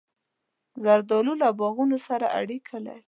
زردالو له باغونو سره اړیکه لري.